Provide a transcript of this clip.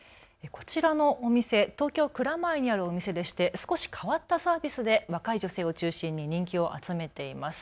こちらのお店、東京蔵前にあるお店でして少し変わったサービスで若い女性を中心に人気を集めています。